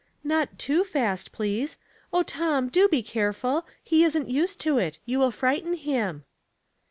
" Not too fast, please. Oh, Tom, do be care ful ! He isn't used to it; you will frighten him."